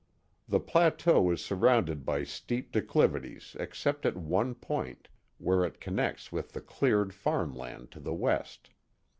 The plateau is surrounded by steep de clivities except at one point, where it connects with the cleared farm land to the. west.